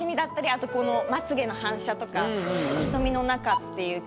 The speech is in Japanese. あとこのまつ毛の反射とか瞳の中っていう景色を。